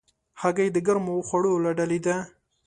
هګۍ د ګرمو خوړو له ډلې ده.